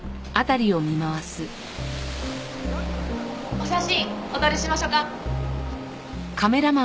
お写真お撮りしましょうか？